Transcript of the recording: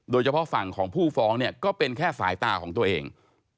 โดยเฉพาะฝั่งของผู้ฟ้องเนี่ยก็เป็นแค่สายตาของตัวเอง